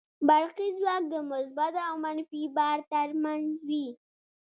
برقي ځواک د مثبت او منفي بار تر منځ وي.